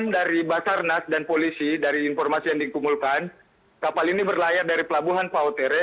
dari basarnas dan polisi dari informasi yang dikumpulkan kapal ini berlayar dari pelabuhan pautere